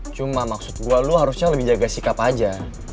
cuma maksud gue lu harusnya lebih jaga sikap aja